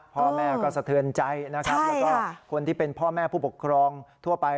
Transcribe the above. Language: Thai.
พ่อแม่ก็สะเทือนใจนะครับแล้วก็คนที่เป็นพ่อแม่ผู้ปกครองทั่วไป